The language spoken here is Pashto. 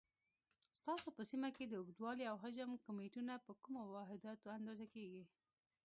ستاسو په سیمه کې د اوږدوالي، او حجم کمیتونه په کومو واحداتو اندازه کېږي؟